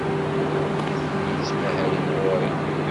Nitni ttmahalen ɣer-i.